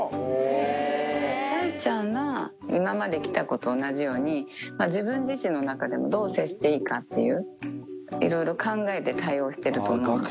雷ちゃんは今まで来た子と同じように、自分自身の中でも、どう接していいかっていう、いろいろ考えて対応してると思うんです。